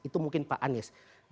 itu mungkin pak anies